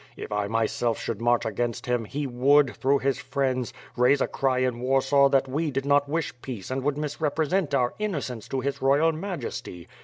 If 1 myself should march against him, he would, through his friends, raise a cry in Warsaw that we did not wish peace and would mis represent our innocence to His Royal Majesty.